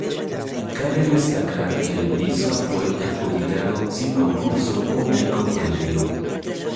Cabe destacar que el piso fue adjudicado sin concurso público previo.